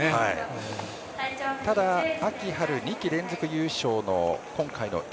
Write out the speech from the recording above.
ただ、秋春２季連続優勝の今回のＡ